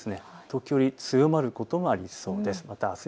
時折、強まることもありそうです。